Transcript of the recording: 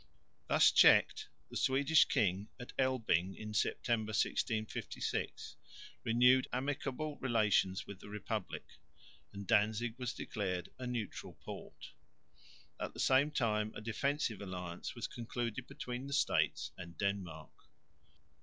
Thus checked, the Swedish king at Elbing (September, 1656) renewed amicable relations with the republic, and Danzig was declared a neutral port. At the same time a defensive alliance was concluded between the States and Denmark.